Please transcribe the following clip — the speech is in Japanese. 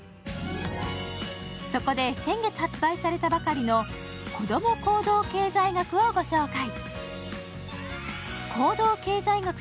そこで先月発売されたばかりの「こども行動経済学」を御紹介。